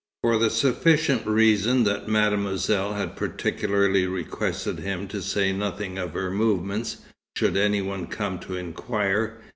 For the sufficient reason that Mademoiselle had particularly requested him to say nothing of her movements, should any one come to inquire.